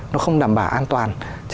nó không đảm bảo an toàn